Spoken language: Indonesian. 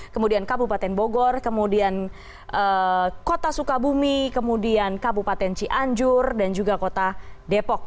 kemudian kabupaten bogor kemudian kota sukabumi kemudian kabupaten cianjur dan juga kota depok